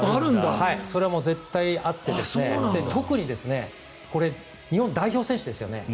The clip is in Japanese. それは絶対あって特に日本代表選手ですよね。